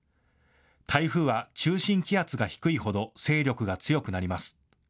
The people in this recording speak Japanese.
台風は中心気圧が低いほど勢力が強くなります。